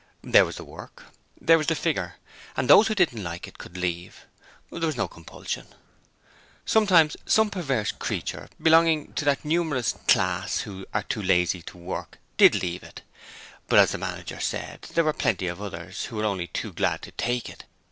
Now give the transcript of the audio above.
There was the work: that was the figure! And those who didn't like it could leave it. There was no compulsion. Sometimes some perverse creature belonging to that numerous class who are too lazy to work DID leave it! But as the manager said, there were plenty of others who were only too glad to take it.